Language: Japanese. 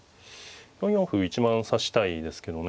４四歩一番指したいですけどね。